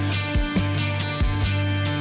saya menunggu kamu